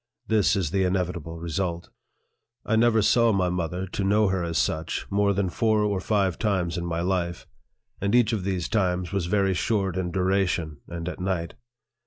This is the inevitable result. I never saw my mother, to know her as such, more than four or five times in my life ; and each of these times was very short in duration, and at night.